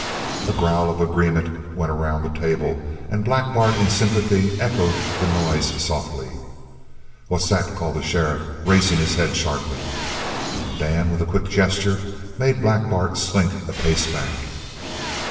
A growl of agreement went around the table, and Black Bart in sympathy, echoed the noise softly. "What's that?" called the sheriff, raising his head sharply. Dan, with a quick gesture, made Black Bart slink a pace back.